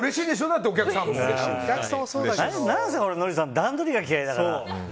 なんせノリさん、段取りが嫌いだから。